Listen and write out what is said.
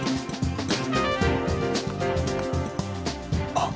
あっ！